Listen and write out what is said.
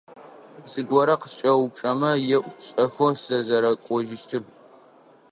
Зыгорэ къыскӏэупчӏэмэ, еӏу шӏэхэу сыкъызэрэкӏожьыщтыр.